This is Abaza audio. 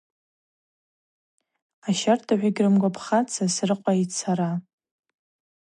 Ащардагӏв йгьрымгвапхатӏ Сосрыкъва йцара.